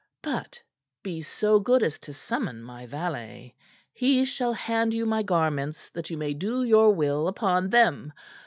But be so good as to summon my valet. He shall hand you my garments that you may do your will upon them.